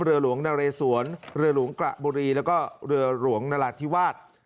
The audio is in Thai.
เรือหลวงนเรสวนเรือหลวงกระบุรีแล้วก็เรือหลวงนราธิวาส